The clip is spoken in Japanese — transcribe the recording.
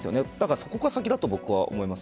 そこが先だと僕は思います。